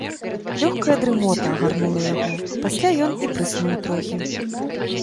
Лёгкая дрымота агарнула яго, а пасля ён і прыснуў трохі.